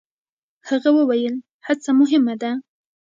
هغه وویل، هڅه مهمه ده.